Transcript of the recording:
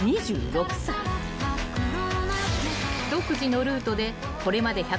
［独自のルートでこれまで］えっ？